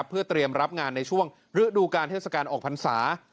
เพื่อเตรียมรับงานในช่วงฤดูการเทศกาลออกพรรษา